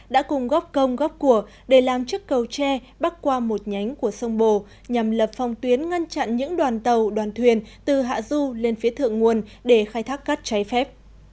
đã cùng góp công góp của để làm chức cầu tre bắc qua một nhánh của sông bồ nhằm lập phòng tuyến ngăn chặn những đoàn tàu đoàn thuyền từ hạ du lên phía thượng nguồn để khai thác cát trái phép